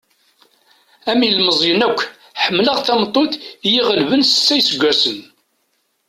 Am ilmeẓyen akk, ḥemmleɣ tameṭṭut i yi-ɣelben s setta iseggasen.